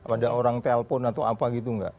ada orang telpon atau apa gitu enggak